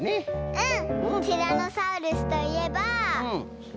うん。